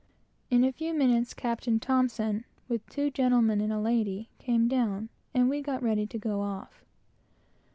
In a few minutes Captain T , with two gentlemen and one female, came down, and we got ready to go off.